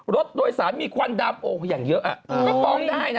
รถโดยสารมีควันดามโออย่างเยอะก็ฟ้องได้นะ